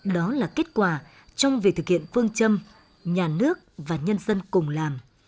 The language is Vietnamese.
đó là kết quả trong việc thực hiện phương châm nhà nước và nhân dân cùng làm